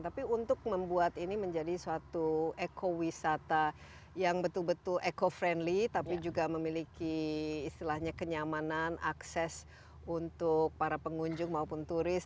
tapi untuk membuat ini menjadi suatu ekowisata yang betul betul eco friendly tapi juga memiliki istilahnya kenyamanan akses untuk para pengunjung maupun turis